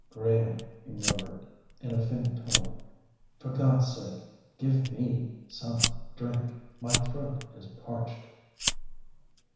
"Graham," he murmured, in a faint tone: "for God's sake give me some drink—my throat is parched!"